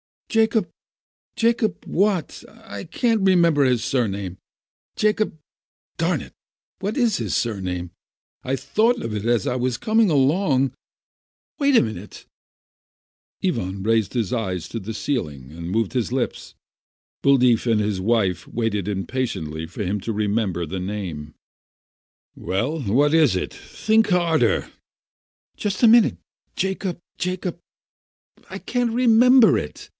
"Jacob — Jacob — what? I can't remember his sur name. Jacob— darn it, what is his surname? I thought of it as I was coming along. Wait a minute !" Ivan raised his eyes to the ceiling, and moved his Digitized byV^iOOQlC 874 RUSSIAN SILHOUETTES lips. Buldeeff and bis wife waited impatiently for him to remember the name. "WeH then, what is it? Think harder." "Just a minute! Jacob — Jacob — I can't remember it